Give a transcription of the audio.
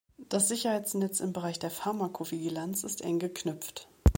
Das Sicherheitsnetz im Bereich der Pharmakovigilanz ist eng geknüpft.